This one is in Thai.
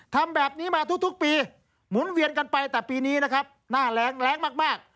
ทำแบบนี้มาทุกปีหมุนเวียนกันไปแต่ปีนี้นะครับหน้าแรงแรงมาก